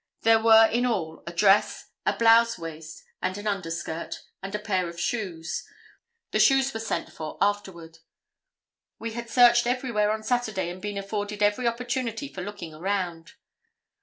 There were in all a dress, a blouse waist and underskirt and a pair of shoes. The shoes were sent for afterward. We had searched everywhere on Saturday and been afforded every opportunity for looking around.